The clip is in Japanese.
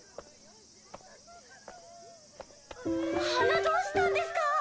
鼻どうしたんですか？